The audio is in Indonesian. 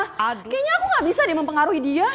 kayaknya aku gak bisa deh mempengaruhi dia